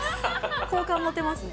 好感持てますね。